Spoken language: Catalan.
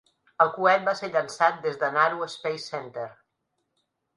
El coet va ser llançat des del Naro Space Center.